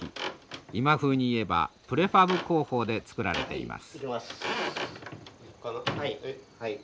今風に言えばプレファブ工法で作られています。